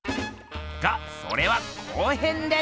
がそれは後編で！